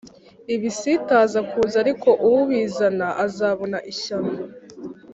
Ibisitaza kuza ariko ubizana azabona ishyano